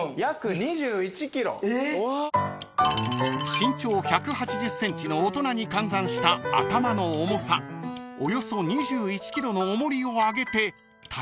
［身長１８０ｃｍの大人に換算した頭の重さおよそ２１ｋｇの重りをあげて体感してみましょう］